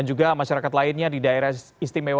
untuk secara dari bisanya kurang lebih seperti itu